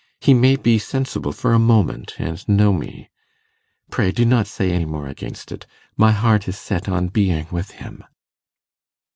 He may be sensible for a moment and know me. Pray do not say any more against it: my heart is set on being with him.